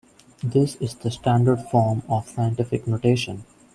This is the "standard form" of scientific notation.